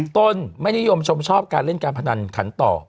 ต้นไม่นิยมชมชอบการเล่นการพนันขันต่อ